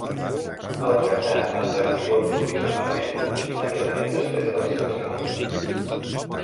El tractat va entrar en vigor provisionalment immediatament després de la seva signatura.